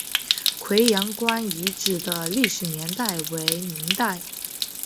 葵阳关遗址的历史年代为明代。